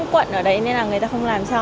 quận ở đấy nên là người ta không làm cho